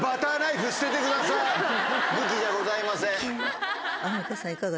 武器じゃございません。